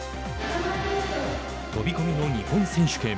飛び込みの日本選手権。